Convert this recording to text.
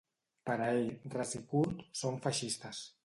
Per a ell, ras i curt, ‘són feixistes’.